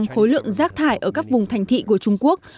khối lượng rác thải ở các vùng thành thị của trung quốc